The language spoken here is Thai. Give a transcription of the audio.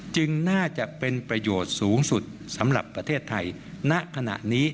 จึงน่าจะเป็นประโยชน์สูงสุดสำหรับประเทศไทยณขณะนี้